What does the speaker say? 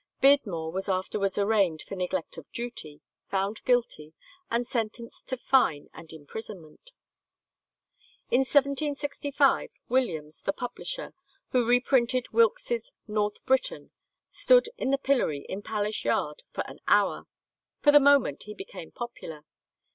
Beardmore was afterwards arraigned for neglect of duty, found guilty, and sentenced to fine and imprisonment. In 1765, Williams, the publisher, who reprinted Wilkes's North Briton, stood in the pillory in Palace Yard for an hour. For the moment he became popular.